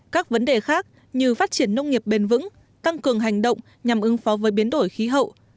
các vấn đề khác như phát triển nông nghiệp bền vững tăng cường hành động nhằm ứng phó với biến đổi khí hậu